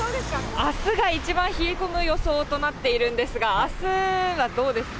あすが一番冷え込む予想となっているんですが、あすはどうですか。